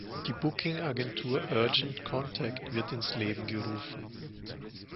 Die Booking-Agentur „urgent contact“ wird ins Leben gerufen.